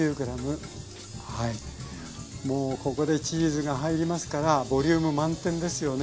もうここでチーズが入りますからボリューム満点ですよね。